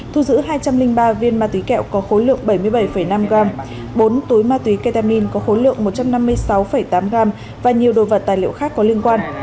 thu giữ hai trăm linh ba viên ma túy kẹo có khối lượng bảy mươi bảy năm gram bốn túi ma túy ketamin có khối lượng một trăm năm mươi sáu tám gram và nhiều đồ vật tài liệu khác có liên quan